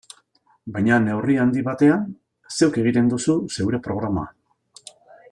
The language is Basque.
Baina neurri handi batean, zeuk egiten duzu zeure programa.